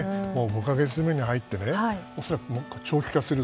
もう５か月目に入って恐らく長期化する。